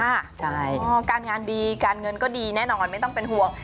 ใช่การงานดีการเงินก็ดีแน่นอนไม่ต้องเป็นห่วง